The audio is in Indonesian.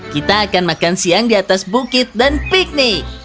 kita akan makan siang di atas bukit dan piknik